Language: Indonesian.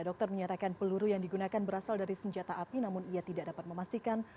dokter menyatakan peluru yang digunakan berasal dari senjata api namun ia tidak dapat memastikan